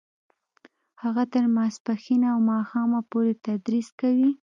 هغه تر ماسپښینه او ماښامه پورې تدریس کوي